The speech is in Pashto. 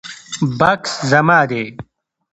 بکس زما دی